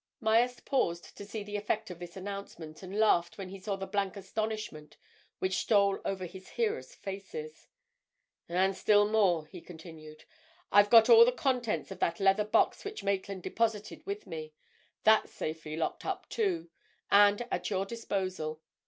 Myerst paused to see the effect of this announcement, and laughed when he saw the blank astonishment which stole over his hearers' faces. "And still more," he continued, "I've got all the contents of that leather box which Maitland deposited with me—that's safely locked up, too, and at your disposal.